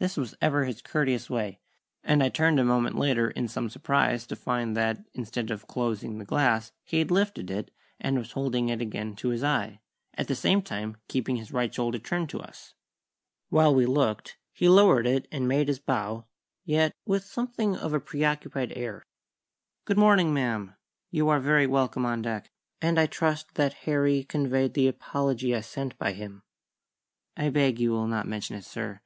This was ever his courteous way, and I turned a moment later in some surprise, to find that, instead of closing the glass, he had lifted it, and was holding it again to his eye, at the same time keeping his right shoulder turned to us. While we looked, he lowered it and made his bow, yet with something of a preoccupied air. "Good morning, ma'am. You are very welcome on deck, and I trust that Harry conveyed the apology I sent by him." "I beg you will not mention it, sir.